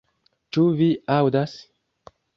Ĉu vi aŭdas!